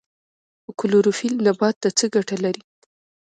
کلوروفیل نبات ته څه ګټه لري؟